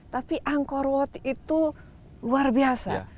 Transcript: tapi angkor watt itu luar biasa